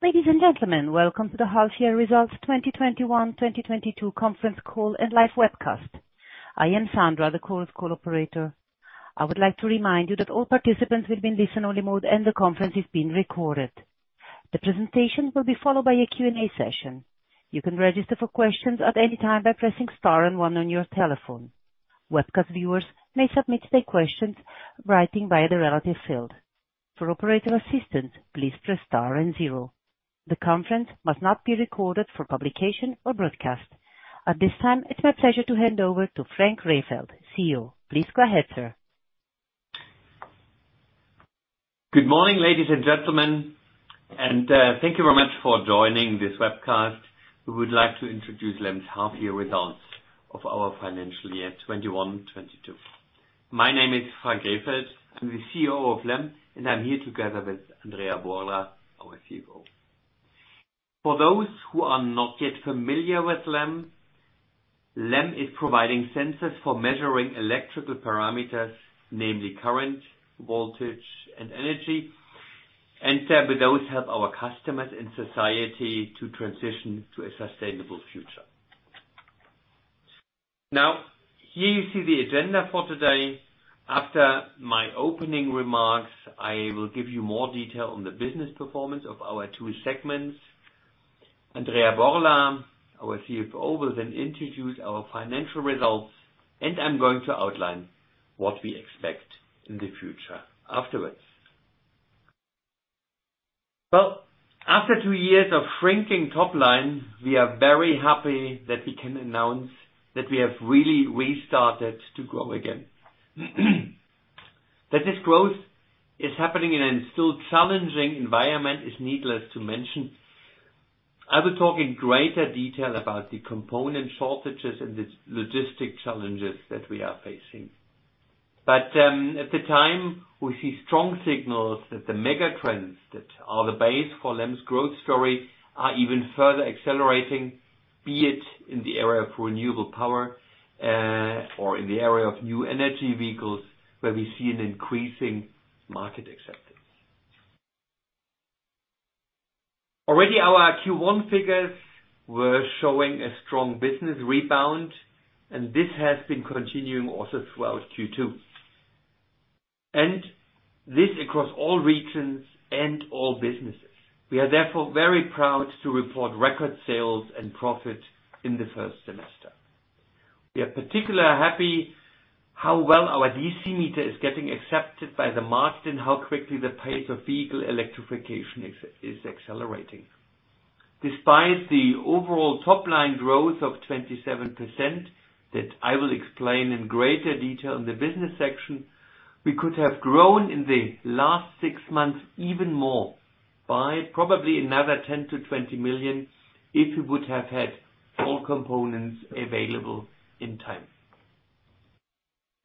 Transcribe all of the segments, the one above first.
Ladies and gentlemen, welcome to the half year results 2021/2022 conference call and live webcast. I am Sandra, the call operator. I would like to remind you that all participants will be in listen-only mode and the conference is being recorded. The presentation will be followed by a Q&A session. You can register for questions at any time by pressing star and one on your telephone. Webcast viewers may submit their questions in writing via the relevant field. For operator assistance, please press star and zero. The conference must not be recorded for publication or broadcast. At this time, it's my pleasure to hand over to Frank Rehfeld, CEO. Please go ahead, sir. Good morning, ladies and gentlemen, and thank you very much for joining this webcast. We would like to introduce LEM's half year results of our financial year 2021/2022. My name is Frank Rehfeld. I'm the CEO of LEM, and I'm here together with Andrea Borla, our CFO. For those who are not yet familiar with LEM is providing sensors for measuring electrical parameters, namely current, voltage, and energy, and thereby those help our customers and society to transition to a sustainable future. Now, here you see the agenda for today. After my opening remarks, I will give you more detail on the business performance of our two segments. Andrea Borla, our CFO, will then introduce our financial results, and I'm going to outline what we expect in the future afterwards. Well, after two years of shrinking top line, we are very happy that we can announce that we have really restarted to grow again. That this growth is happening in a still challenging environment is needless to mention. I will talk in greater detail about the component shortages and the logistic challenges that we are facing. But at the time, we see strong signals that the mega trends that are the base for LEM's growth story are even further accelerating, be it in the area of renewable power, or in the area of new energy vehicles, where we see an increasing market acceptance. Already our Q1 figures were showing a strong business rebound, and this has been continuing also throughout Q2. And this across all regions and all businesses. We are therefore very proud to report record sales and profits in the first semester. We are particularly happy how well our DC meter is getting accepted by the market and how quickly the pace of vehicle electrification is accelerating. Despite the overall top-line growth of 27% that I will explain in greater detail in the business section, we could have grown in the last six months even more by probably another 10-20 million, if we would have had all components available in time.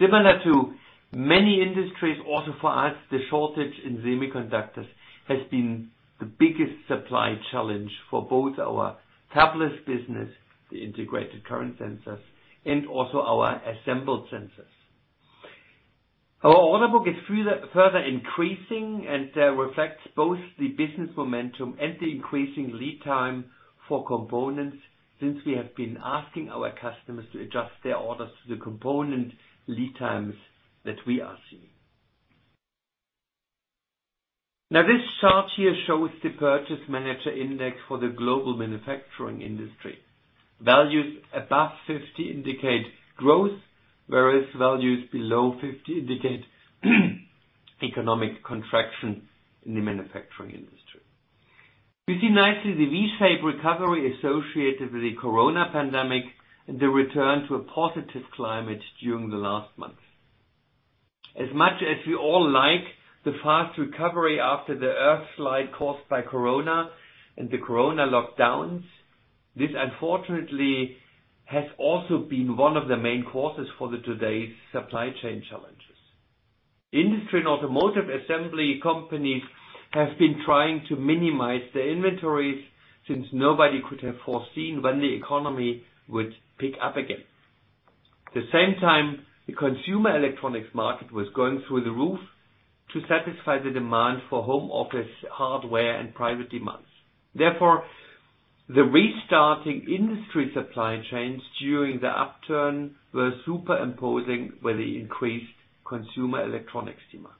Similar to many industries, also for us, the shortage in semiconductors has been the biggest supply challenge for both our fabless business, the integrated current sensors, and also our assembled sensors. Our order book is further increasing and reflects both the business momentum and the increasing lead time for components since we have been asking our customers to adjust their orders to the component lead times that we are seeing. Now, this chart here shows the Purchasing Managers' Index for the global manufacturing industry. Values above 50 indicate growth, whereas values below 50 indicate economic contraction in the manufacturing industry. You see nicely the V-shaped recovery associated with the corona pandemic and the return to a positive climate during the last month. As much as we all like the fast recovery after the harsh slide caused by corona and the corona lockdowns, this unfortunately has also been one of the main causes for today's supply chain challenges. Industry and automotive assembly companies have been trying to minimize their inventories since nobody could have foreseen when the economy would pick up again. At the same time, the consumer electronics market was going through the roof to satisfy the demand for home office hardware and private demands. Therefore, the restarting industry supply chains during the upturn were superimposing with the increased consumer electronics demand.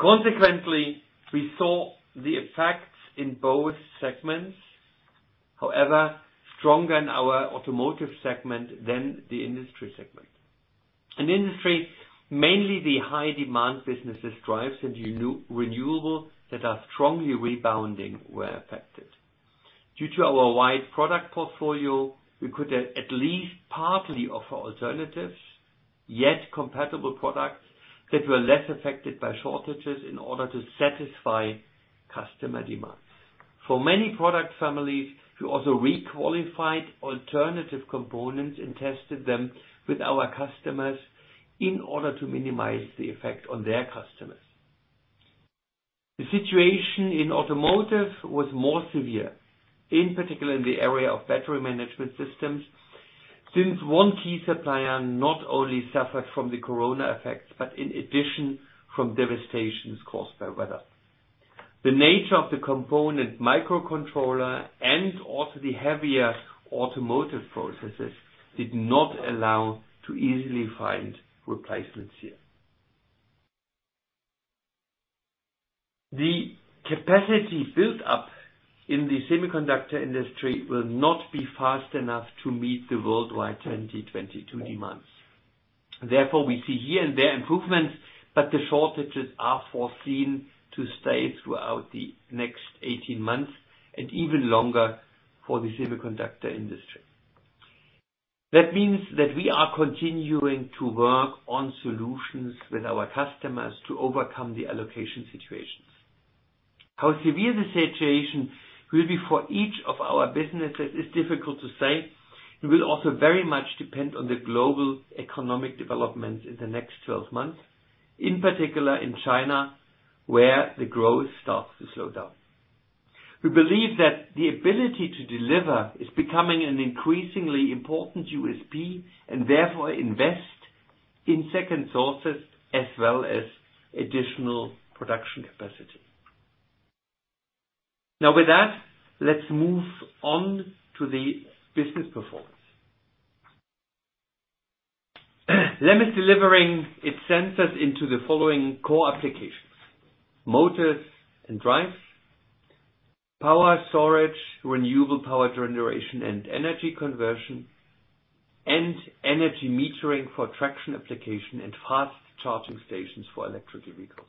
Consequently, we saw the effects in both segments, however, stronger in our automotive segment than the industry segment. In industry, mainly the high demand business drivers and renewables that are strongly rebounding were affected. Due to our wide product portfolio, we could at least partly offer alternatives, yet compatible products that were less affected by shortages in order to satisfy customer demands. For many product families, we also re-qualified alternative components and tested them with our customers in order to minimize the effect on their customers. The situation in automotive was more severe, in particular in the area of battery management systems, since one key supplier not only suffered from the corona effects, but in addition from devastations caused by weather. The nature of the component microcontroller and also the heavier automotive processes did not allow to easily find replacements here. The capacity built up in the semiconductor industry will not be fast enough to meet the worldwide 2022 demands. Therefore, we see here and there improvements, but the shortages are foreseen to stay throughout the next 18 months and even longer for the semiconductor industry. That means that we are continuing to work on solutions with our customers to overcome the allocation situations. How severe the situation will be for each of our businesses is difficult to say. It will also very much depend on the global economic developments in the next 12 months, in particular in China, where the growth starts to slow down. We believe that the ability to deliver is becoming an increasingly important USP, and therefore invest in second sources as well as additional production capacity. Now with that, let's move on to the business performance. LEM is delivering its sensors into the following core applications. Motors and drives, power storage, renewable power generation and energy conversion, and energy metering for traction application and fast charging stations for electric vehicles.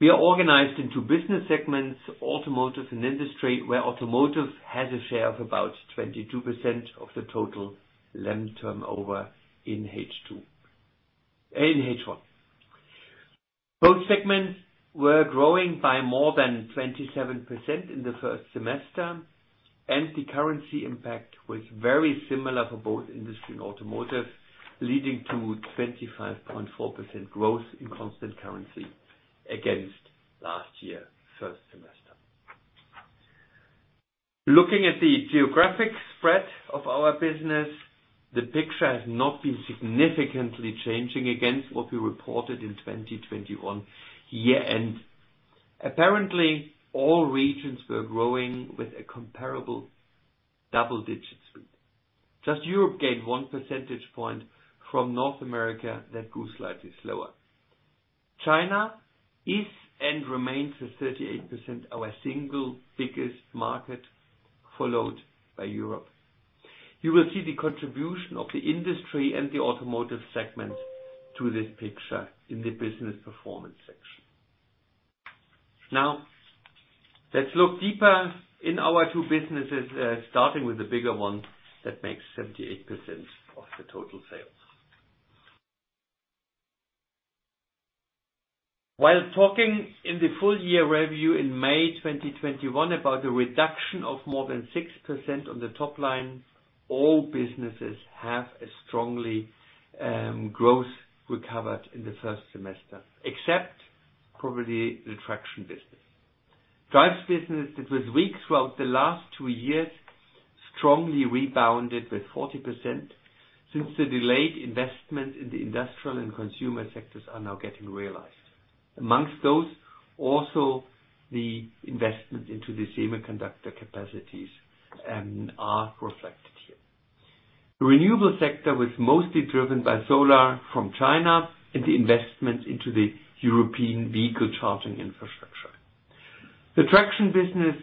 We are organized into business segments, Automotive and Industry, where Automotive has a share of about 22% of the total LEM turnover in H1. Both segments were growing by more than 27% in the first semester, and the currency impact was very similar for both Industry and Automotive, leading to 25.4% growth in constant currency against last year first semester. Looking at the geographic spread of our business, the picture has not been significantly changing against what we reported in 2021 year-end. Apparently, all regions were growing with a comparable double-digit speed. Just Europe gained one percentage point from North America that grew slightly slower. China is and remains the 38%, our single biggest market, followed by Europe. You will see the contribution of the industry and the automotive segment to this picture in the business performance section. Now, let's look deeper in our two businesses, starting with the bigger one that makes 78% of the total sales. While talking in the full year review in May 2021 about a reduction of more than 6% on the top line, all businesses have strongly recovered in the first semester, except probably the traction business. drives business that was weak throughout the last two years strongly rebounded with 40% since the delayed investment in the industrial and consumer sectors are now getting realized. Among those, also the investment into the semiconductor capacities are reflected here. The renewable sector was mostly driven by solar from China and the investment into the European vehicle charging infrastructure. The traction business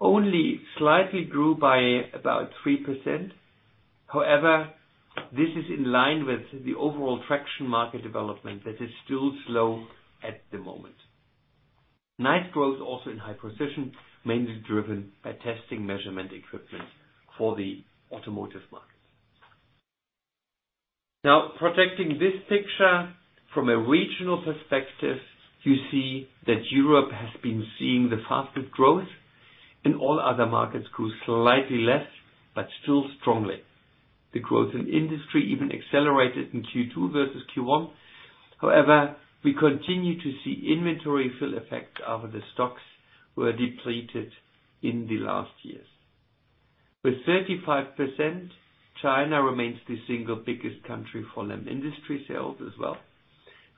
only slightly grew by about 3%. However, this is in line with the overall traction market development that is still slow at the moment. Nice growth also in high precision, mainly driven by testing measurement equipment for the automotive market. Now, projecting this picture from a regional perspective, you see that Europe has been seeing the fastest growth and all other markets grew slightly less, but still strongly. The growth in industry even accelerated in Q2 versus Q1. However, we continue to see inventory fill effects after the stocks were depleted in the last years. With 35%, China remains the single biggest country for LEM industry sales as well.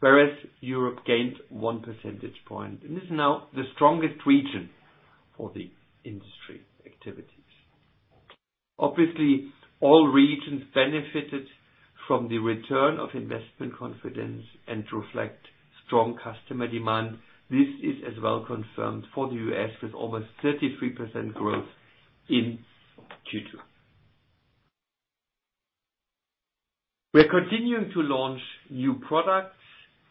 Whereas Europe gained 1 percentage point, and this is now the strongest region for the industry activities. Obviously, all regions benefited from the return of investment confidence and reflect strong customer demand. This is as well confirmed for the U.S. with almost 33% growth in Q2. We're continuing to launch new products,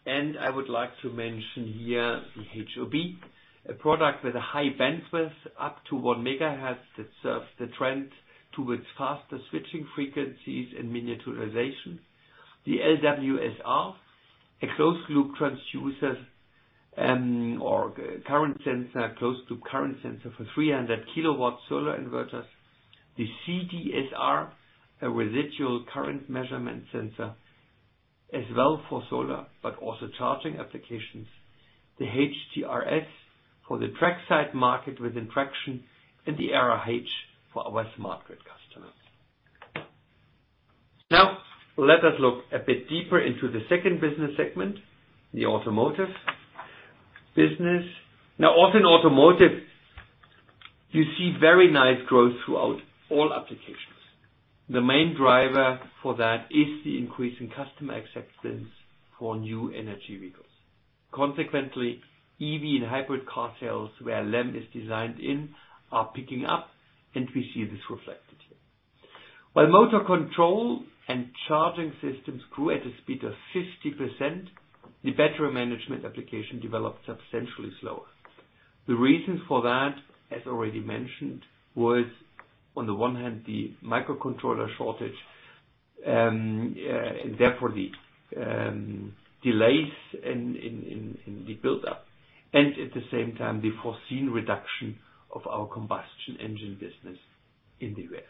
and I would like to mention here the HOB. A product with a high-bandwidth up to 1 MHz that serves the trend towards faster switching frequencies and miniaturization. The LWSR, a closed-loop transducer or current sensor for 300 kW solar inverters. The CDSR, a residual current measurement sensor. As well for solar, but also charging applications. The HTRS for the trackside market within traction and the RRH for our smart grid customers. Now let us look a bit deeper into the second business segment, the automotive business. Now, also in automotive, you see very nice growth throughout all applications. The main driver for that is the increase in customer acceptance for new energy vehicles. Consequently, EV and hybrid car sales where LEM is designed in are picking up and we see this reflected here. While motor control and charging systems grew at a speed of 50%, the battery management application developed substantially slower. The reasons for that, as already mentioned, was on the one hand, the microcontroller shortage, and therefore the delays in the build up and at the same time the foreseen reduction of our combustion engine business in the U.S.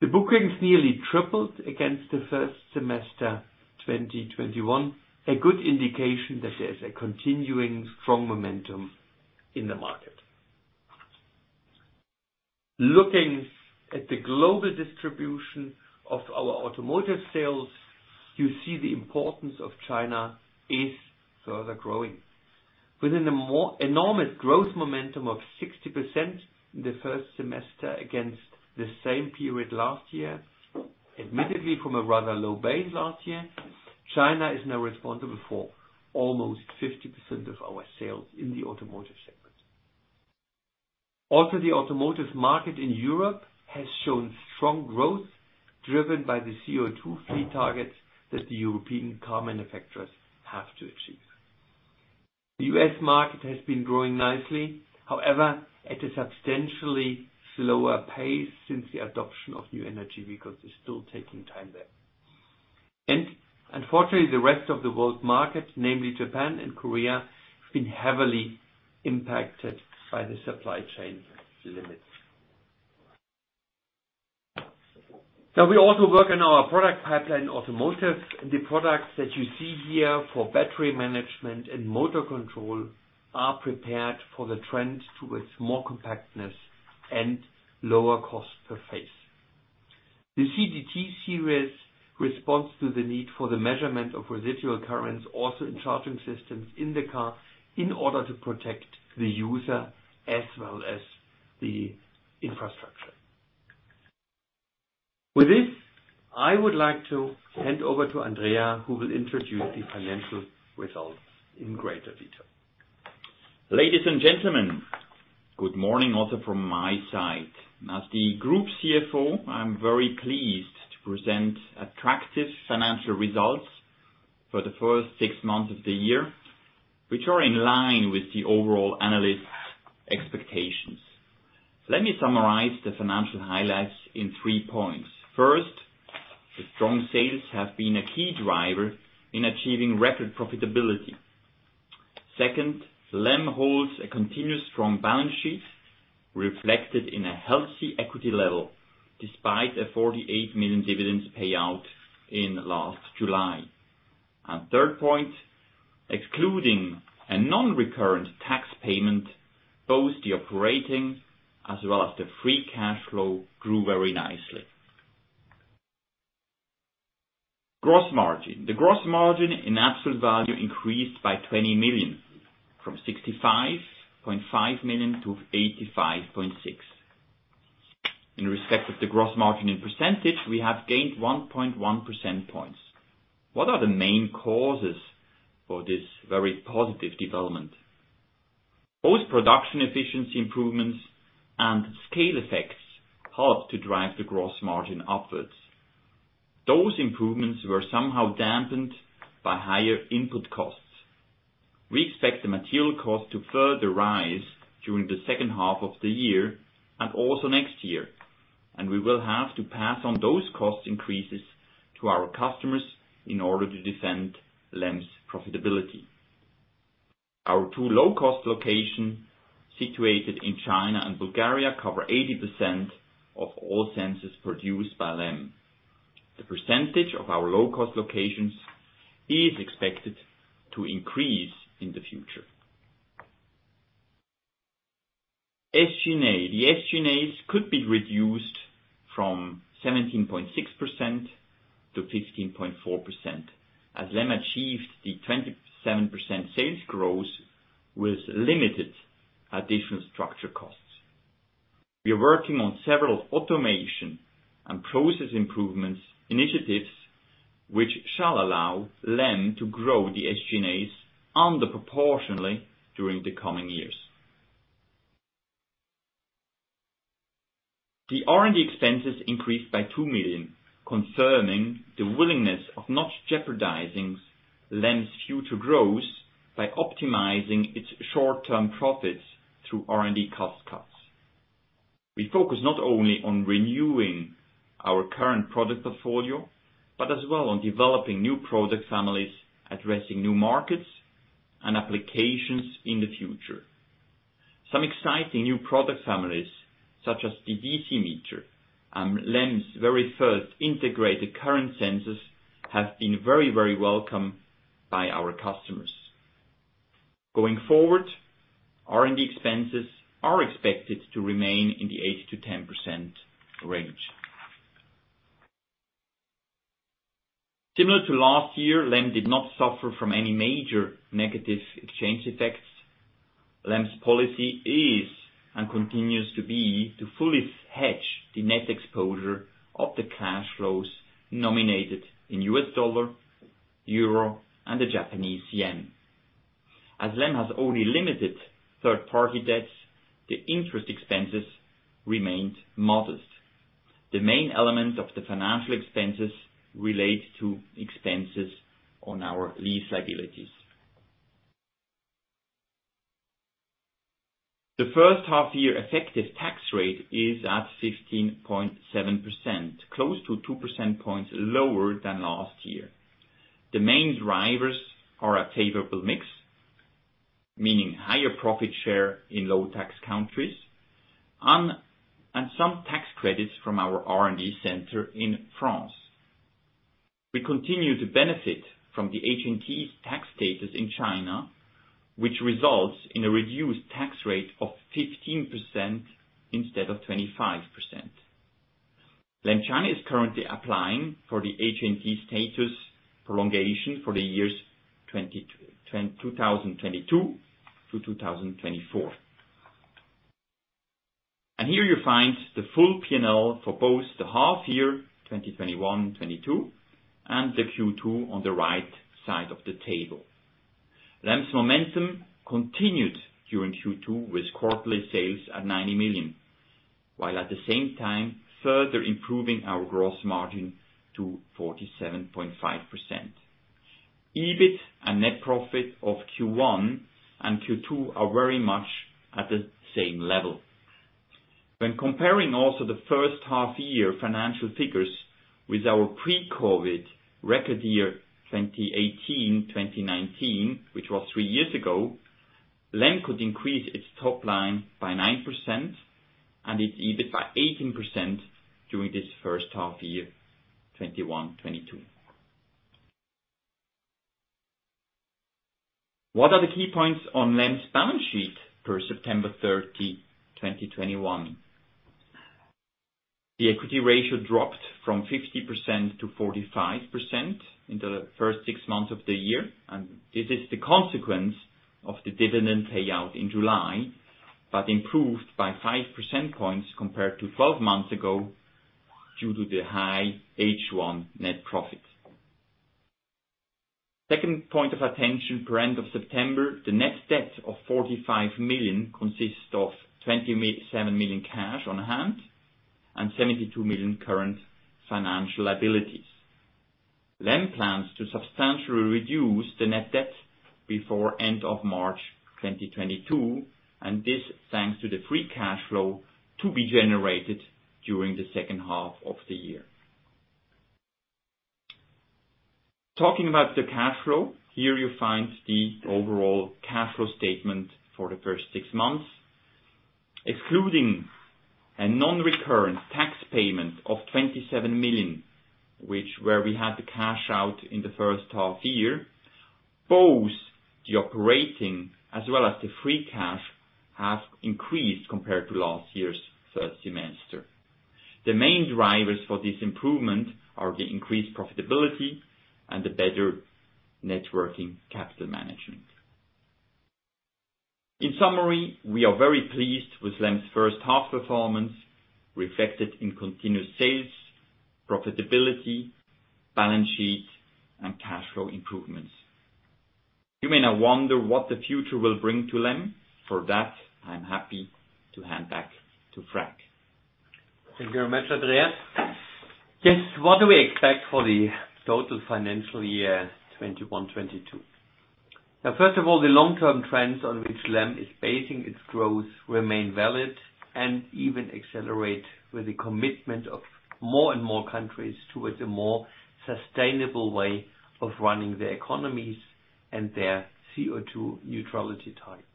The bookings nearly tripled against the first semester 2021, a good indication that there's a continuing strong momentum in the market. Looking at the global distribution of our automotive sales, you see the importance of China is further growing within a more enormous growth momentum of 60% in the first semester against the same period last year, admittedly from a rather low base last year. China is now responsible for almost 50% of our sales in the automotive segment. Also, the automotive market in Europe has shown strong growth driven by the CO₂ fleet targets that the European car manufacturers have to achieve. The U.S. market has been growing nicely, however, at a substantially slower pace since the adoption of new energy vehicles is still taking time there. Unfortunately, the rest of the world market, namely Japan and Korea, have been heavily impacted by the supply chain limits. Now, we also work on our product pipeline automotive, and the products that you see here for battery management and motor control are prepared for the trend towards more compactness and lower cost per phase. The CDT series responds to the need for the measurement of residual currents, also in charging systems in the car in order to protect the user as well as the infrastructure. With this, I would like to hand over to Andrea, who will introduce the financial results in greater detail. Ladies and gentlemen, good morning also from my side. As the Group CFO, I'm very pleased to present attractive financial results for the first six months of the year, which are in line with the overall analyst expectations. Let me summarize the financial highlights in three points. First, the strong sales have been a key driver in achieving record profitability. Second, LEM holds a continuous strong balance sheet reflected in a healthy equity level despite a 48 million dividends payout in last July. Third point, excluding a non-recurrent tax payment, both the operating as well as the free cash flow grew very nicely. Gross margin. The gross margin in absolute value increased by 20 million from 65.5 million to 85.6 million. In respect of the gross margin in percentage, we have gained 1.1 percentage points. What are the main causes for this very positive development? Both production efficiency improvements and scale effects helped to drive the gross margin upwards. Those improvements were somehow dampened by higher input costs. We expect the material cost to further rise during the second half of the year and also next year, and we will have to pass on those cost increases to our customers in order to defend LEM's profitability. Our two low cost locations situated in China and Bulgaria cover 80% of all sensors produced by LEM. The percentage of our low cost locations is expected to increase in the future. SG&A. The SG&A could be reduced from 17.6% to 15.4% as LEM achieved the 27% sales growth with limited additional structural costs. We are working on several automation and process improvements initiatives which shall allow LEM to grow the SG&As under proportionally during the coming years. The R&D expenses increased by 2 million, confirming the willingness of not jeopardizing LEM's future growth by optimizing its short-term profits through R&D cost cuts. We focus not only on renewing our current product portfolio, but as well on developing new product families, addressing new markets and applications in the future. Some exciting new product families, such as the DC meter, LEM's very first integrated current sensors have been very, very welcome by our customers. Going forward, R&D expenses are expected to remain in the 8%-10% range. Similar to last year, LEM did not suffer from any major negative exchange effects. LEM's policy is and continues to be, to fully hedge the net exposure of the cash flows nominated in US dollar, euro, and the Japanese yen. As LEM has only limited third-party debts, the interest expenses remained modest. The main element of the financial expenses relate to expenses on our lease liabilities. The first half year effective tax rate is at 16.7%, close to 2% points lower than last year. The main drivers are a favorable mix, meaning higher profit share in low tax countries, and some tax credits from our R&D center in France. We continue to benefit from the HNTE tax status in China, which results in a reduced tax rate of 15% instead of 25%. LEM China is currently applying for the HNTE status prolongation for the years 2022 to 2024. Here you find the full P&L for both the half-year 2021, 2022, and the Q2 on the right side of the table. LEM's momentum continued during Q2 with quarterly sales at 90 million, while at the same time further improving our gross margin to 47.5%. EBIT and net profit of Q1 and Q2 are very much at the same level. When comparing also the first half-year financial figures with our pre-COVID record year, 2018, 2019, which was three years ago, LEM could increase its top line by 9% and its EBIT by 18% during this first half-year 2021, 2022. What are the key points on LEM's balance sheet per September 30, 2021? The equity ratio dropped from 50% to 45% in the first six months of the year, and this is the consequence of the dividend payout in July, but improved by 5% points compared to 12 months ago due to the high H1 net profit. Second point of attention as of end of September, the net debt of 45 million consists of 27 million cash on hand and 72 million current financial liabilities. LEM plans to substantially reduce the net debt before end of March 2022, and this thanks to the free cash flow to be generated during the second half of the year. Talking about the cash flow, here you find the overall cash flow statement for the first six months. Excluding a non-recurrent tax payment of 27 million, which we had the cash out in the first half year, both the operating as well as the free cash have increased compared to last year's first half. The main drivers for this improvement are the increased profitability and the better net working capital management. In summary, we are very pleased with LEM's first half performance, reflected in continuous sales, profitability, balance sheet, and cash flow improvements. You may now wonder what the future will bring to LEM. For that, I'm happy to hand back to Frank. Thank you very much, Andrea. Yes. What do we expect for the total financial year 2021-2022? Now, first of all, the long-term trends on which LEM is basing its growth remain valid and even accelerate with the commitment of more and more countries towards a more sustainable way of running their economies and their CO2 neutrality targets.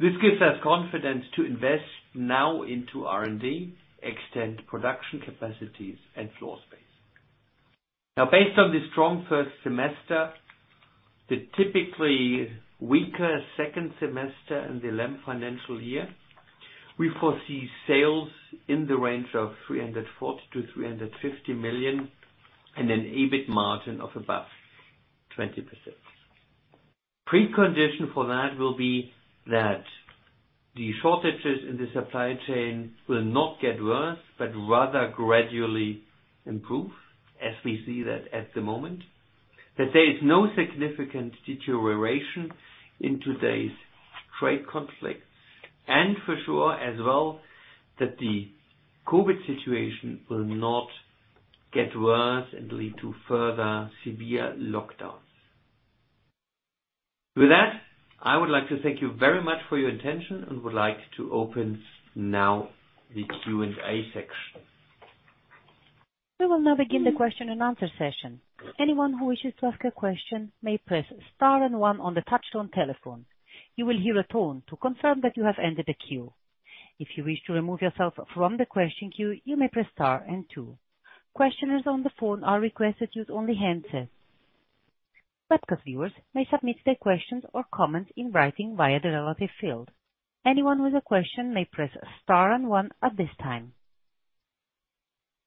This gives us confidence to invest now into R&D, extend production capacities and floor space. Now based on the strong first semester, the typically weaker second semester in the LEM financial year, we foresee sales in the range of 340 million-350 million and an EBIT margin of above 20%. Precondition for that will be that the shortages in the supply chain will not get worse, but rather gradually improve as we see that at the moment. That there is no significant deterioration in today's trade conflicts, and for sure as well, that the COVID situation will not get worse and lead to further severe lockdowns. With that, I would like to thank you very much for your attention and would like to open now the Q&A section. We will now begin the question and answer session. Anyone who wishes to ask a question may press star and one on the touchtone telephone. You will hear a tone to confirm that you have entered the queue. If you wish to remove yourself from the question queue, you may press star and two. Questioners on the phone are requested to use only handsets. Webcast viewers may submit their questions or comments in writing via the relevant field. Anyone with a question may press star and one at this time.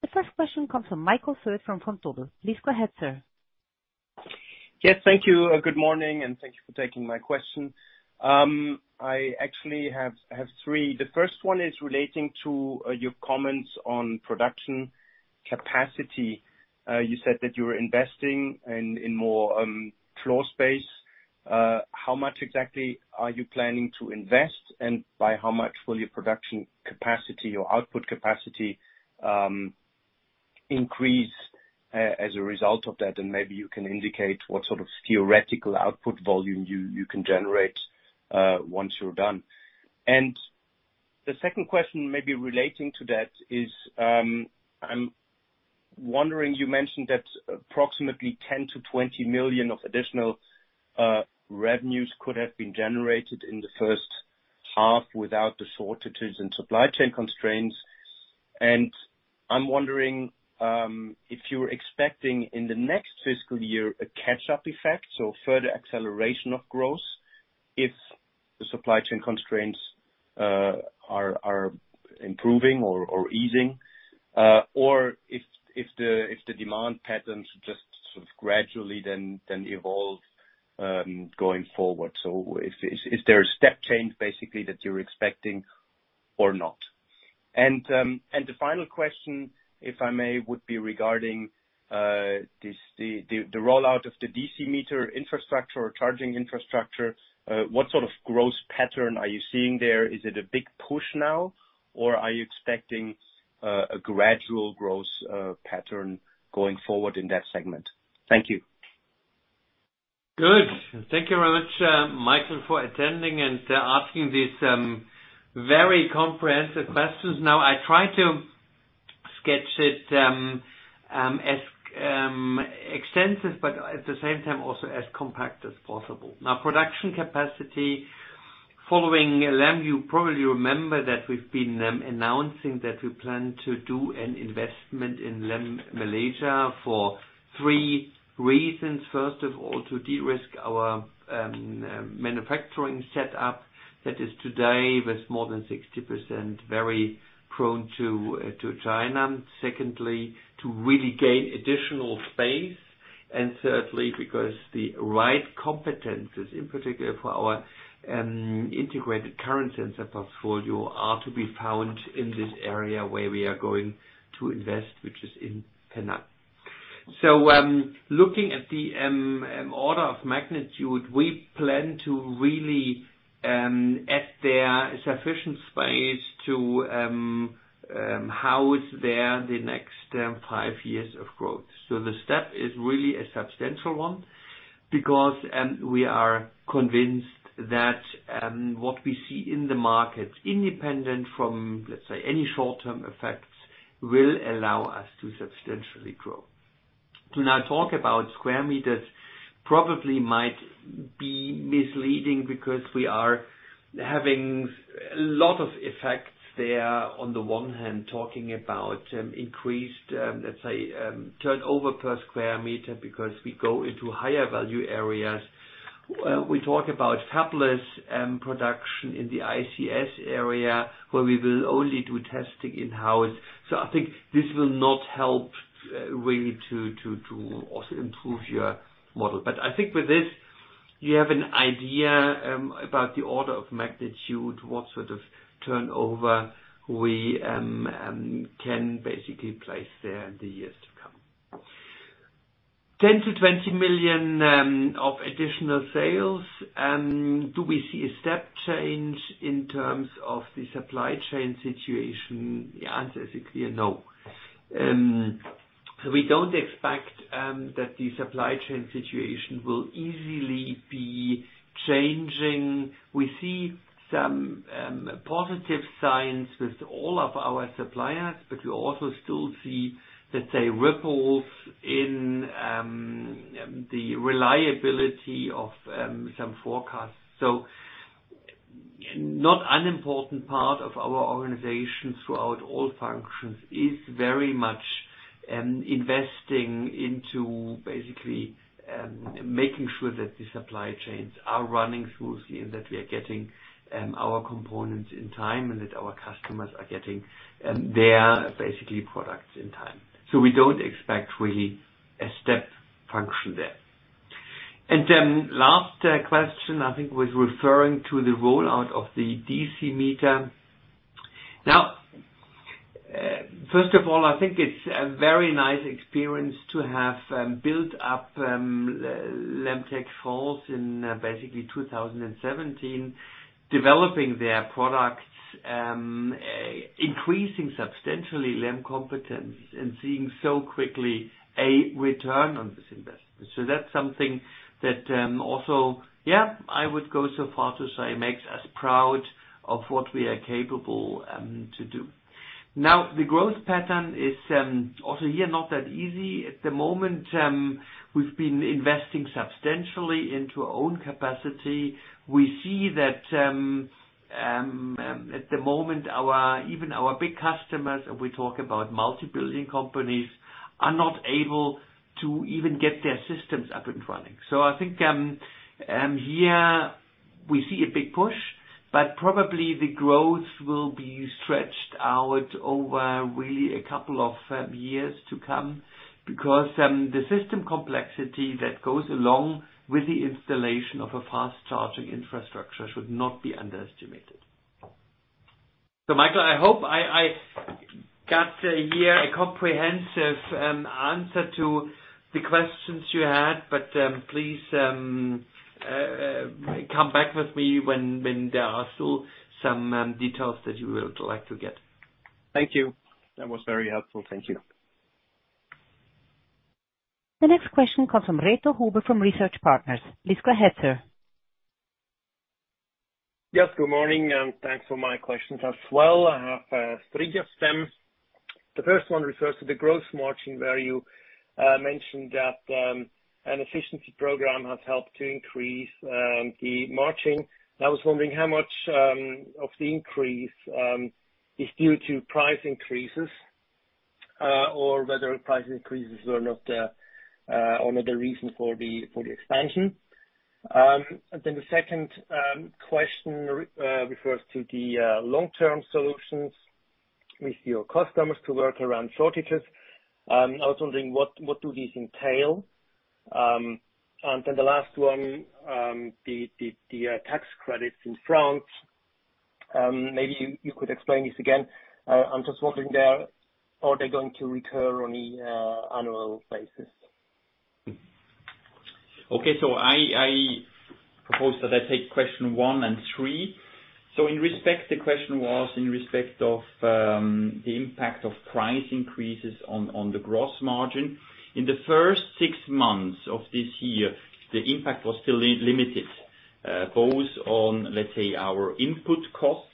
The first question comes from Michael Foeth from Vontobel. Please go ahead, sir. Yes. Thank you. Good morning, and thank you for taking my question. I actually have three. The first one is relating to your comments on production capacity. You said that you were investing in more floor space. How much exactly are you planning to invest, and by how much will your production capacity or output capacity increase as a result of that? And maybe you can indicate what sort of theoretical output volume you can generate once you're done. And the second question maybe relating to that is, I'm wondering, you mentioned that approximately 10 million-20 million of additional revenues could have been generated in the first half without the shortages and supply chain constraints. I'm wondering if you're expecting in the next fiscal year a catch-up effect, so further acceleration of growth, if the supply chain constraints are improving or easing, or if the demand patterns just sort of gradually then evolve going forward. Is there a step change basically that you're expecting or not? The final question, if I may, would be regarding the rollout of the DC meter infrastructure or charging infrastructure. What sort of growth pattern are you seeing there? Is it a big push now, or are you expecting a gradual growth pattern going forward in that segment? Thank you. Good. Thank you very much, Michael, for attending and asking these very comprehensive questions. Now, I try to sketch it as extensive, but at the same time also as compact as possible. Now, production capacity. Following LEM, you probably remember that we've been announcing that we plan to do an investment in LEM Malaysia for three reasons. First of all, to de-risk our manufacturing setup that is today with more than 60% very prone to China. Secondly, to really gain additional space. Thirdly, because the right competencies, in particular for our integrated current sensor portfolio are to be found in this area where we are going to invest, which is in Penang. Looking at the order of magnitude, we plan to really add sufficient space to house the next five years of growth. The step is really a substantial one because we are convinced that what we see in the market, independent from, let's say, any short-term effects, will allow us to substantially grow. To now talk about square meters probably might be misleading because we are having a lot of effects there on the one hand, talking about increased, let's say, turnover per square meter because we go into higher value areas. We talk about fabless production in the ICS area where we will only do testing in-house. I think this will not help really to also improve your model. I think with this you have an idea about the order of magnitude, what sort of turnover we can basically place there in the years to come. 10 million-20 million of additional sales, do we see a step change in terms of the supply chain situation? The answer is a clear no. We don't expect that the supply chain situation will easily be changing. We see some positive signs with all of our suppliers, but we also still see, let's say, ripples in the reliability of some forecasts. Not unimportant part of our organization throughout all functions is very much investing into basically making sure that the supply chains are running smoothly and that we are getting our components in time and that our customers are getting their basically products in time. We don't expect really a step function there. Then last question, I think was referring to the rollout of the DC meter. Now, first of all, I think it's a very nice experience to have built up LEM Tech France in basically 2017, developing their products, increasing substantially LEM competencies and seeing so quickly a return on this investment. That's something that, also, yeah, I would go so far to say makes us proud of what we are capable of to do. Now, the growth pattern is also here not that easy. At the moment, we've been investing substantially into our own capacity. We see that, at the moment, even our big customers, and we talk about multi-billion companies, are not able to even get their systems up and running. I think here we see a big push, but probably the growth will be stretched out over really a couple of years to come, because the system complexity that goes along with the installation of a fast charging infrastructure should not be underestimated. Michael, I hope I got here a comprehensive answer to the questions you had, but please come back with me when there are still some details that you would like to get. Thank you. That was very helpful. Thank you. The next question comes from Reto Huber from Research Partners. Please go ahead, sir. Yes, good morning, and thanks for my questions as well. I have three of them. The first one refers to the gross margin, where you mentioned that an efficiency program has helped to increase the margin. I was wondering how much of the increase is due to price increases or whether price increases were not the reason for the expansion. The second question refers to the long-term solutions with your customers to work around shortages. I was wondering what do these entail? The last one, the tax credits in France, maybe you could explain this again. I'm just wondering, are they going to recur on an annual basis? I propose that I take question one and three. In respect, the question was in respect of the impact of price increases on the gross margin. In the first six months of this year, the impact was still limited both on, let's say, our input costs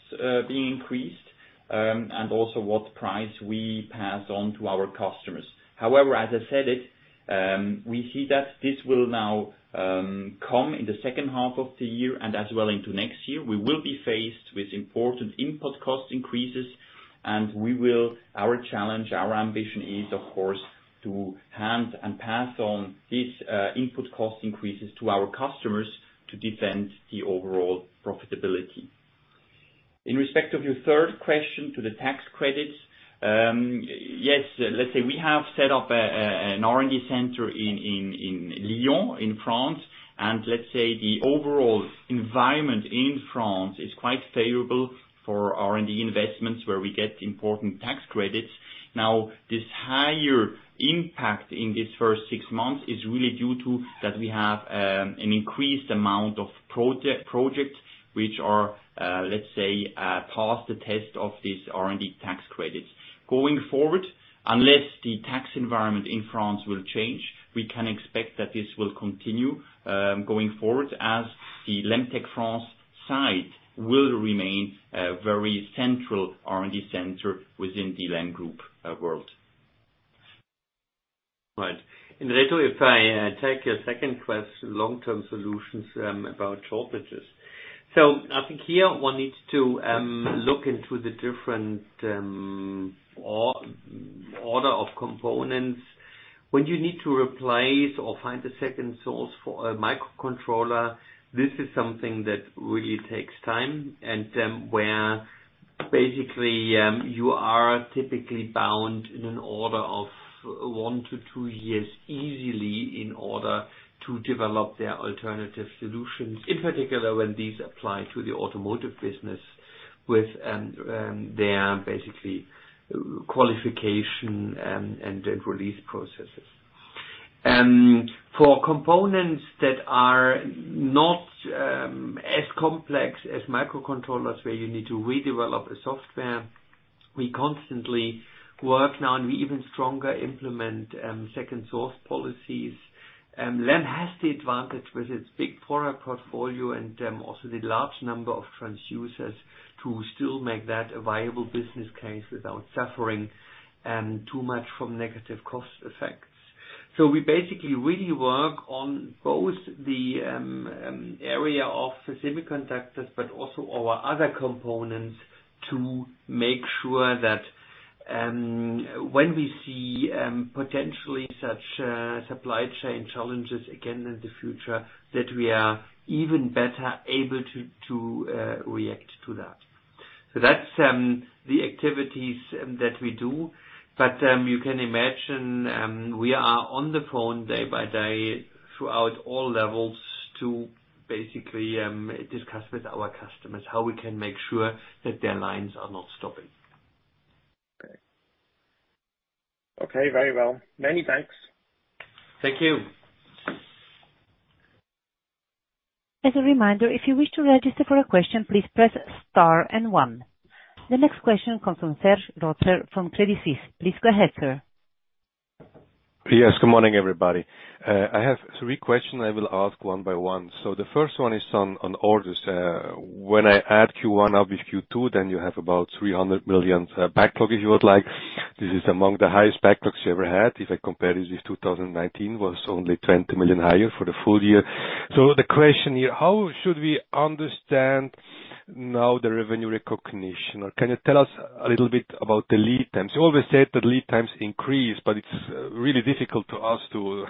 being increased and also what price we pass on to our customers. However, as I said it, we see that this will now come in the second half of the year, and as well into next year. We will be faced with important input cost increases. Our challenge, our ambition is, of course, to hand and pass on these input cost increases to our customers to defend the overall profitability. In respect of your third question to the tax credits, yes, let's say we have set up an R&D center in Lyon, in France. Let's say the overall environment in France is quite favorable for R&D investments, where we get important tax credits. Now, this higher impact in this first six months is really due to that we have an increased amount of projects which are, let's say, pass the test of these R&D tax credits. Going forward, unless the tax environment in France will change, we can expect that this will continue, going forward, as the LEM Tech France site will remain a very central R&D center within the LEM Group worldwide. Right. Reto, if I take your second question long-term solutions about shortages. I think here one needs to look into the different order of components. When you need to replace or find a second source for a microcontroller, this is something that really takes time and where basically you are typically bound in an order of one to two years, easily, in order to develop their alternative solutions, in particular, when these apply to the automotive business with their basically qualification and release processes. For components that are not as complex as microcontrollers where you need to redevelop the software, we constantly work now and we even stronger implement second source policies. LEM has the advantage with its big product portfolio and also the large number of transducers to still make that a viable business case without suffering too much from negative cost effects. We basically really work on both the area of specific conductors, but also our other components to make sure that when we see potentially such supply chain challenges again in the future, that we are even better able to react to that. That's the activities that we do. You can imagine we are on the phone day by day throughout all levels to basically discuss with our customers how we can make sure that their lines are not stopping. Okay. Very well. Many thanks. Thank you. As a reminder, if you wish to register for a question, please press star and one. The next question comes from Serge Rotzer from Credit Suisse. Please go ahead, sir. Yes. Good morning, everybody. I have three questions I will ask one by one. The first one is on orders. When I add Q1 up with Q2, then you have about 300 million backlog, if you would like. This is among the highest backlogs you ever had. If I compare this with 2019, was only 20 million higher for the full year. The question here, how should we understand now the revenue recognition? Or can you tell us a little bit about the lead times? You always said that lead times increased, but it's really difficult to ask to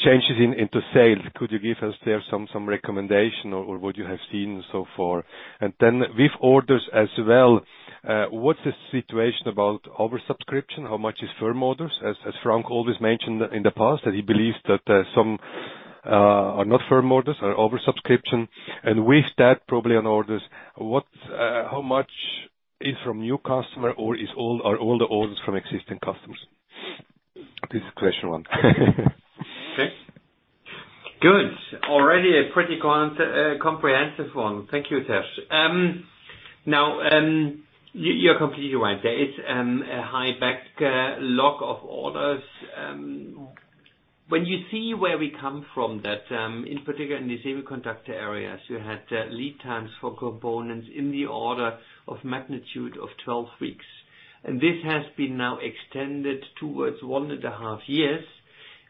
change it into sales. Could you give us there some recommendation or what you have seen so far? Then with orders as well, what's the situation about oversubscription? How much is firm orders? As Frank always mentioned in the past, that he believes that some are not firm orders, are oversubscription. With that, probably on orders, how much is from new customer, or is old, or older orders from existing customers? This is question one. Good. Already a pretty comprehensive one. Thank you, Serge Rotzer. You're completely right. There is a high backlog of orders. When you see where we come from that in particular in the semiconductor areas, you had lead times for components in the order of magnitude of 12 weeks. This has been now extended towards 1.5 years.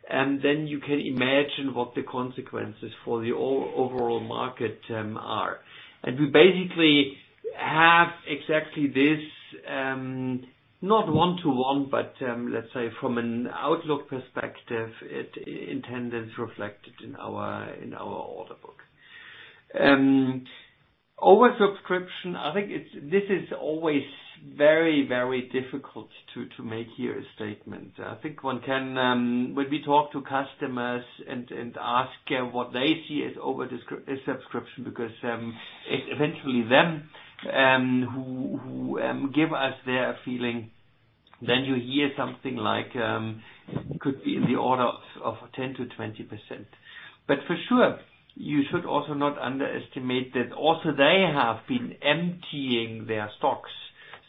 Then you can imagine what the consequences for the overall market are. We basically have exactly this not one to one, but let's say from an outlook perspective, it's indeed reflected in our order book. Oversubscription, I think this is always very, very difficult to make here a statement. I think one can, when we talk to customers and ask what they see as over-desubscription, because it's eventually them who give us their feeling, then you hear something like could be in the order of 10%-20%. For sure, you should also not underestimate that also they have been emptying their stocks.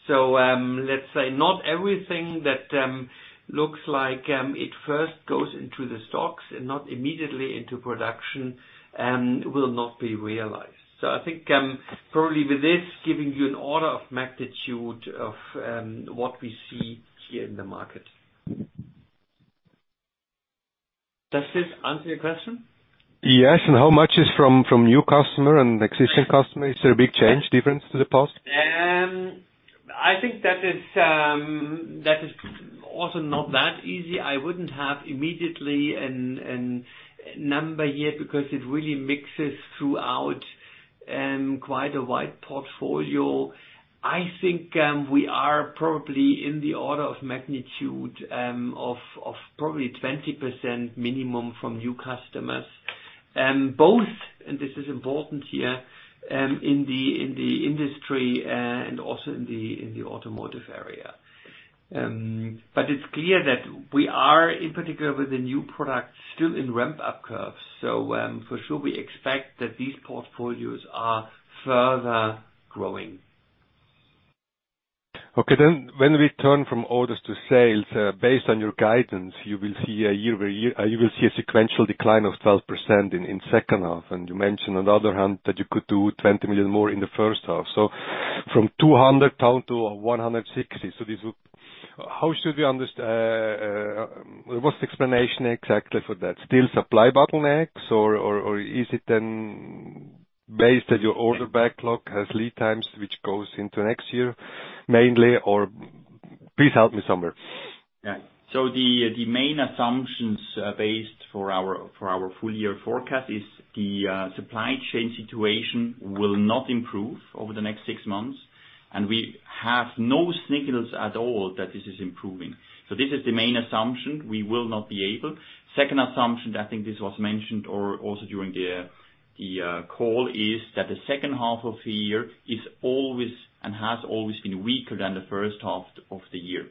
Let's say not everything that looks like it first goes into the stocks and not immediately into production will not be realized. I think probably with this, giving you an order of magnitude of what we see here in the market. Does this answer your question? Yes. How much is from new customer and existing customer? Is there a big change, difference to the past? I think that is also not that easy. I wouldn't have immediately a number yet because it really mixes throughout quite a wide portfolio. I think we are probably in the order of magnitude of probably 20% minimum from new customers. Both, and this is important here, in the industry and also in the automotive area. It's clear that we are, in particular with the new product, still in ramp up curves. For sure we expect that these portfolios are further growing. Okay. When we turn from orders to sales, based on your guidance, you will see a sequential decline of 12% in second half. You mentioned on the other hand that you could do 20 million more in the first half. From 200 million down to 160 million. How should we understand what's the explanation exactly for that? Still supply bottlenecks or is it then based that your order backlog has lead times which goes into next year mainly? Please help me somewhere. The main assumptions based on our full year forecast are the supply chain situation will not improve over the next six months, and we have no signals at all that this is improving. This is the main assumption; we will not be able. Second assumption, I think this was mentioned or also during the call, is that the second half of the year is always and has always been weaker than the first half of the year.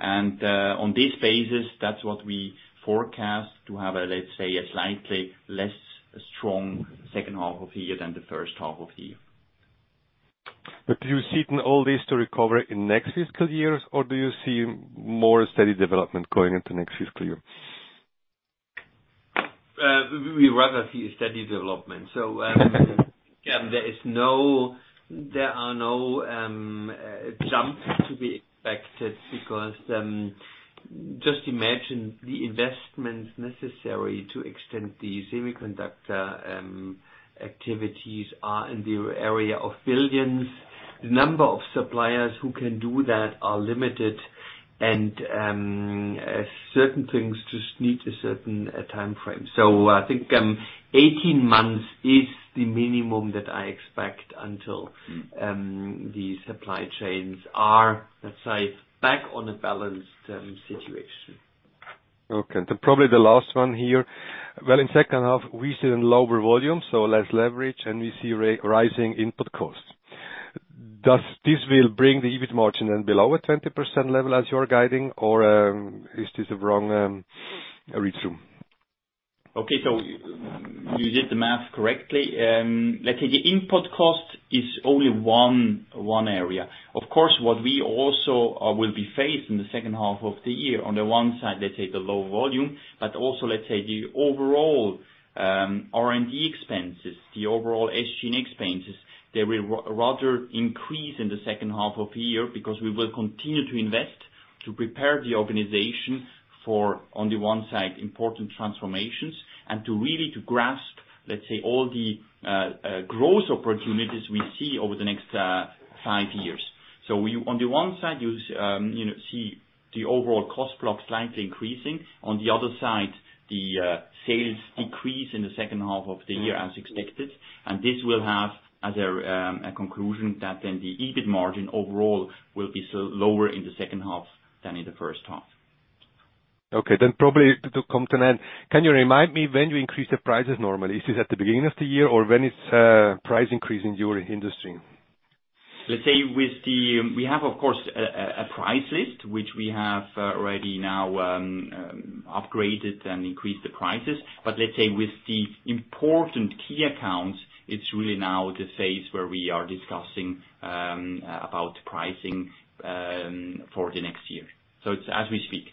On this basis, that's what we forecast to have, let's say, a slightly less strong second half of the year than the first half of the year. Do you see enough in this to recover in next fiscal years, or do you see more steady development going into next fiscal year? We rather see a steady development. There are no jumps to be expected because just imagine the investments necessary to extend the semiconductor activities are in the area of billions. The number of suppliers who can do that are limited and certain things just need a certain timeframe. I think 18 months is the minimum that I expect until the supply chains are, let's say, back on a balanced situation. Okay. Probably the last one here. Well, in second half we see lower volume, so less leverage, and we see rising input costs. This will bring the EBIT margin then below a 20% level as you're guiding, or is this the wrong read-through? Okay. You did the math correctly. Let's say the input cost is only one area. Of course, what we also will be facing the second half of the year, on the one side, let's say the low volume, but also, let's say, the overall R&D expenses, the overall SG&A expenses, they will rather increase in the second half of the year because we will continue to invest to prepare the organization for, on the one side, important transformations and to really grasp, let's say, all the growth opportunities we see over the next five years. You on the one side, you know, see the overall cost block slightly increasing. On the other side, the sales decrease in the second half of the year as expected. This will have as a conclusion that then the EBIT margin overall will be lower in the second half than in the first half. Okay. Probably to come to an end. Can you remind me when you increase the prices normally? Is it at the beginning of the year or when it's price increase in your industry? We have, of course, a price list, which we have already now upgraded and increased the prices. Let's say with the important key accounts, it's really now the phase where we are discussing about pricing for the next year. It's as we speak.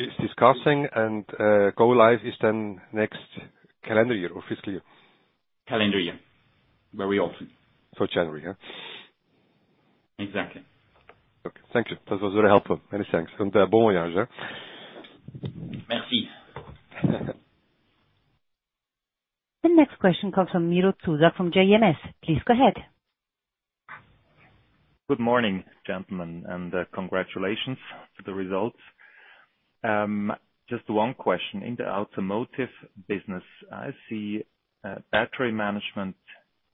It's discussing and, go live is then next calendar year or fiscal year? Calendar year, very often. January, yeah? Exactly. Okay. Thank you. That was very helpful. Many thanks. Bon voyage, yeah. Merci. The next question comes from Miro Zuzak from JMS. Please go ahead. Good morning, gentlemen, and congratulations for the results. Just one question. In the automotive business, I see battery management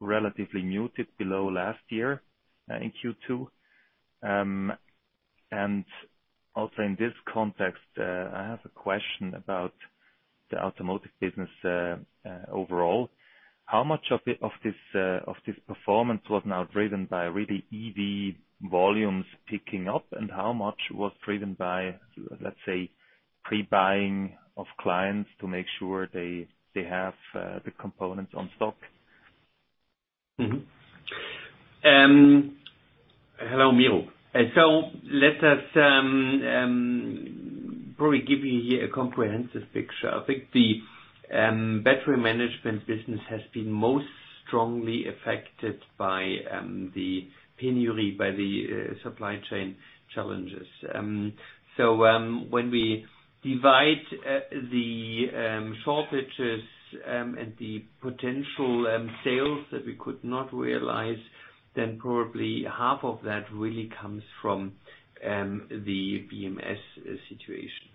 relatively muted below last year in Q2. Also in this context, I have a question about the automotive business overall. How much of this performance was now driven by really EV volumes picking up, and how much was driven by, let's say, pre-buying of clients to make sure they have the components on stock? Mm-hmm. Hello, Miro. Let us probably give you here a comprehensive picture. I think the battery management business has been most strongly affected by the penury, by the supply chain challenges. When we divide the shortages and the potential sales that we could not realize, then probably half of that really comes from the BMS situation.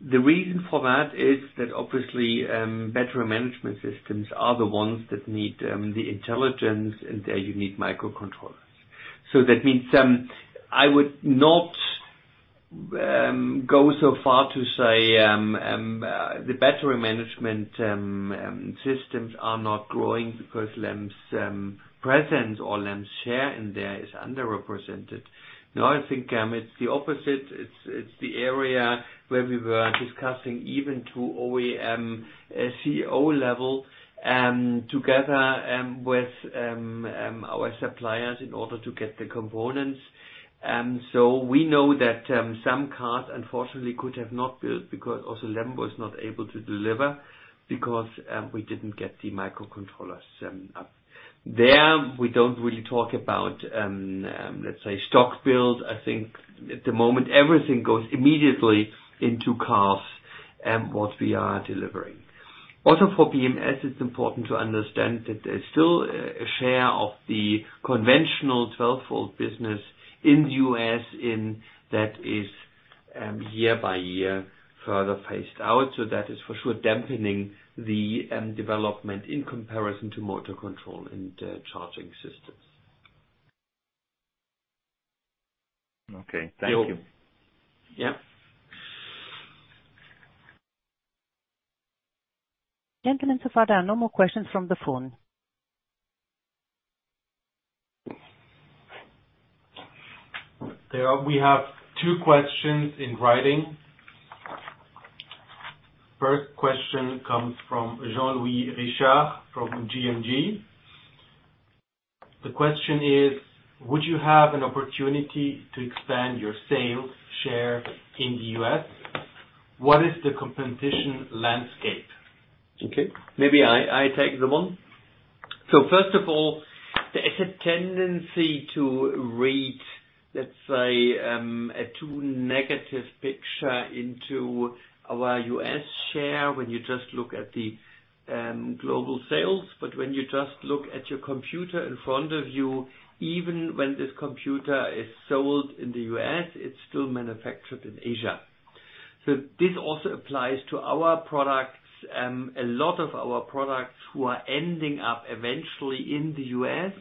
The reason for that is that obviously battery management systems are the ones that need the intelligence, and there you need microcontrollers. That means I would not go so far to say the battery management systems are not growing because LEM's presence or LEM's share in there is underrepresented. No, I think it's the opposite. It's the area where we were discussing even to OEM CEO level, together with our suppliers in order to get the components. We know that some cars unfortunately could have not built because also LEM was not able to deliver because we didn't get the microcontrollers up. There, we don't really talk about, let's say stock build. I think at the moment, everything goes immediately into cars and what we are delivering. Also for BMS, it's important to understand that there's still a share of the conventional 12-volt business in the U.S. and that is year by year further phased out. That is for sure dampening the development in comparison to motor control and charging systems. Okay. Thank you. Yeah. Gentlemen, so far there are no more questions from the phone. We have two questions in writing. First question comes from Jean-Louis Richard from GNG. The question is: Would you have an opportunity to expand your sales share in the U.S.? What is the competition landscape? Okay. Maybe I take them on. First of all, there is a tendency to read, let's say, a too negative picture into our U.S. share when you just look at the global sales. When you just look at your computer in front of you, even when this computer is sold in the U.S., it's still manufactured in Asia. This also applies to our products. A lot of our products who are ending up eventually in the U.S.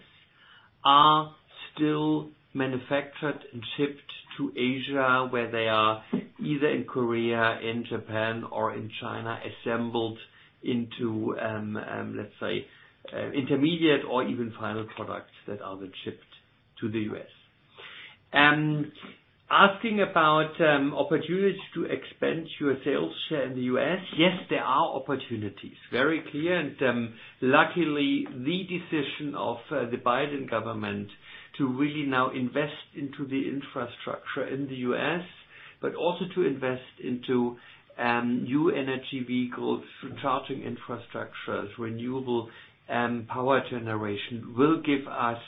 are still manufactured and shipped to Asia, where they are either in Korea, in Japan, or in China, assembled into, let's say, intermediate or even final products that are then shipped to the U.S. Asking about, opportunities to expand your sales share in the U.S. Yes, there are opportunities. Very clear. Luckily, the decision of the Biden government to really now invest into the infrastructure in the U.S., but also to invest into new energy vehicles, charging infrastructures, renewable power generation, will give us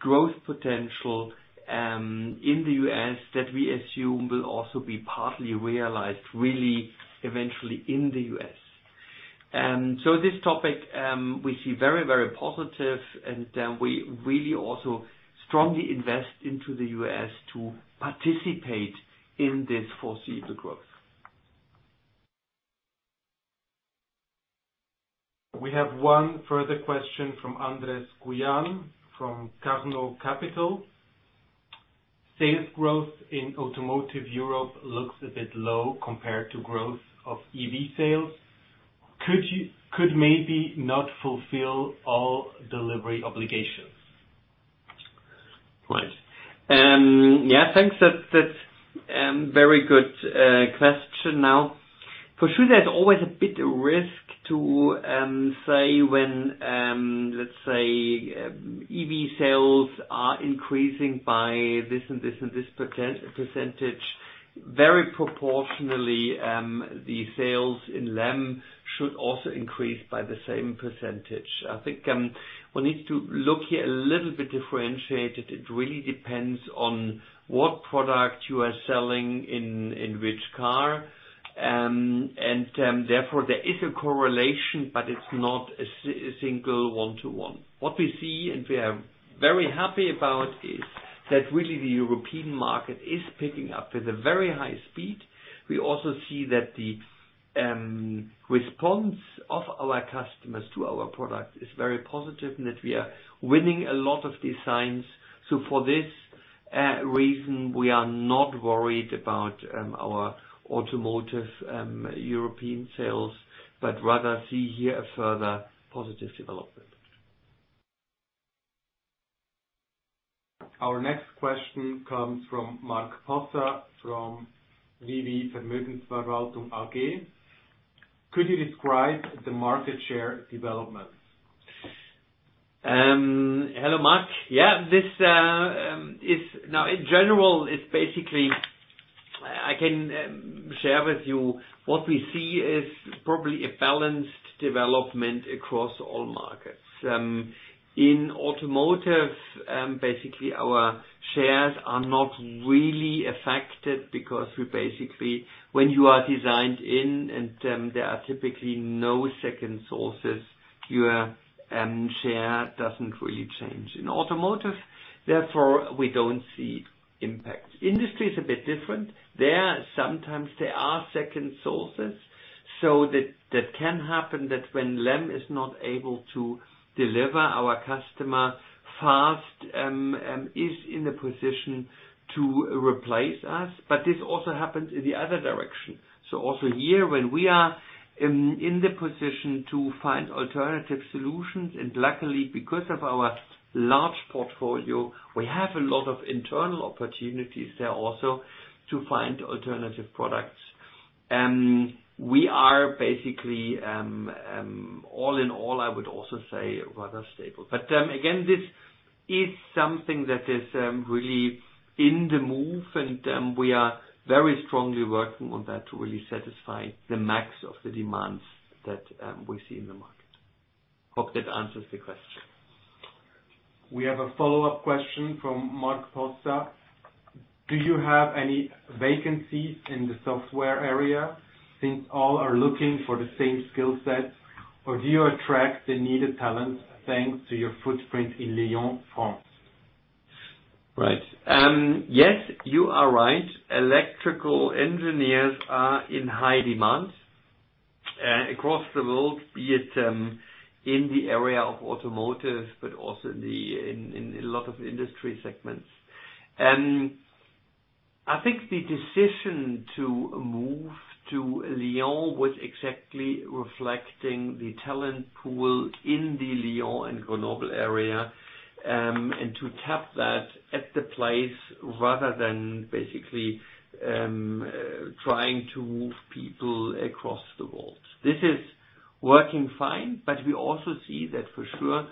growth potential in the U.S. that we assume will also be partly realized really eventually in the U.S. This topic we see very, very positive, and we really also strongly invest into the U.S. to participate in this foreseeable growth. We have one further question from Andres Guyan, from Carnot Capital. Sales growth in automotive Europe looks a bit low compared to growth of EV sales. Could you maybe not fulfill all delivery obligations? Right. Yeah, thanks. That very good question now. For sure, there's always a bit of risk to say when, let's say, EV sales are increasing by this and this and this percentage, very proportionally, the sales in LEM should also increase by the same percentage. I think, one needs to look here a little bit differentiated. It really depends on what product you are selling in which car. Therefore there is a correlation, but it's not a single one-to-one. What we see, and we are very happy about, is that really the European market is picking up with a very high speed. We also see that the response of our customers to our product is very positive, and that we are winning a lot of designs. For this reason, we are not worried about our automotive European sales, but rather see here a further positive development. Our next question comes from Mark Possa from VV Vermögensverwaltung. Hello, Mark. Yeah. This, in general, it's basically, I can share with you what we see is probably a balanced development across all markets. In automotive, basically, our shares are not really affected because we basically, when you are designed in and there are typically no second sources, your share doesn't really change. In automotive, therefore, we don't see impacts. Industry is a bit different. There, sometimes there are second sources, so that can happen that when LEM is not able to deliver to our customer fast, is in a position to replace us. But this also happens in the other direction. So also here, when we are in the position to find alternative solutions, and luckily, because of our large portfolio, we have a lot of internal opportunities there also to find alternative products. We are basically, all in all, I would also say rather stable. Again, this is something that is really on the move and we are very strongly working on that to really satisfy the max of the demands that we see in the market. Hope that answers the question. We have a follow-up question from Mark Poser. Do you have any vacancies in the software area since all are looking for the same skill set, or do you attract the needed talent thanks to your footprint in Lyon, France? Right. Yes, you are right. Electrical engineers are in high demand across the world, be it in the area of automotive, but also in a lot of industry segments. I think the decision to move to Lyon was exactly reflecting the talent pool in the Lyon and Grenoble area, and to tap that at the place rather than basically trying to move people across the world. This is working fine, but we also see that for sure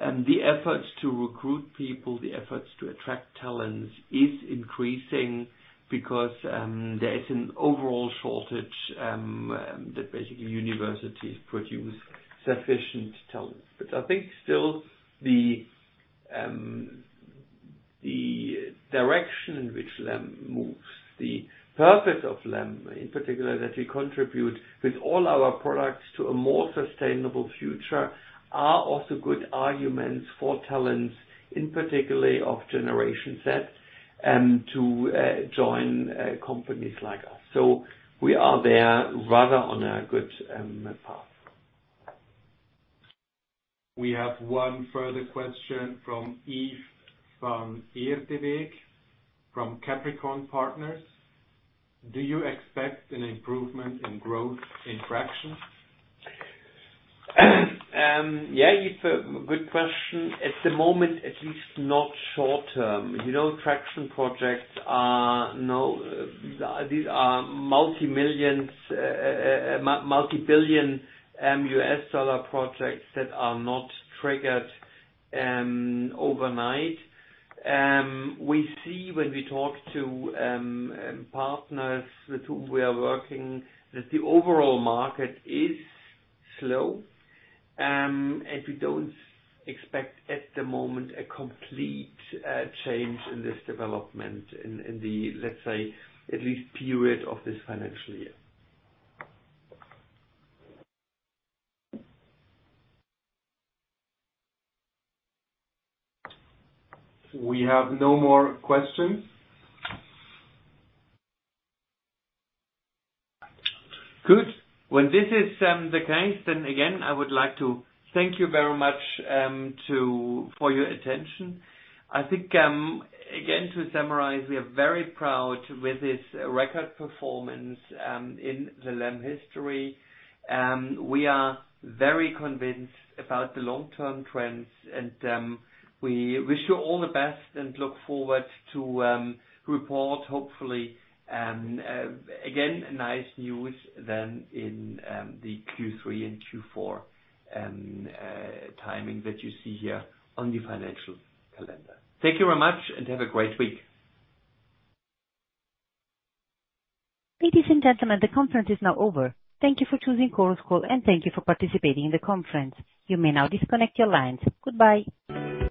the efforts to recruit people, the efforts to attract talents is increasing because there is an overall shortage that basically universities produce sufficient talent. I think still the direction in which LEM moves, the purpose of LEM, in particular, that we contribute with all our products to a more sustainable future, are also good arguments for talents, in particular of Generation Z, to join companies like us. We are there rather on a good path. We have one further question from Yves Vaneerdewegh from Capricorn Partners. Do you expect an improvement in growth in traction? Yeah, Yves. A good question. At the moment, at least not short-term. You know, these are multi-millions, multi-billion US dollar projects that are not triggered overnight. We see when we talk to partners with whom we are working, that the overall market is slow. We don't expect at the moment a complete change in this development in the, let's say, at least period of this financial year. We have no more questions. Good. When this is the case, then again, I would like to thank you very much for your attention. I think again, to summarize, we are very proud with this record performance in the LEM history. We are very convinced about the long-term trends, and we wish you all the best and look forward to report hopefully again nice news than in the Q3 and Q4 timing that you see here on the financial calendar. Thank you very much and have a great week. Ladies and gentlemen, the conference is now over. Thank you for choosing Chorus Call, and thank you for participating in the conference. You may now disconnect your lines. Goodbye.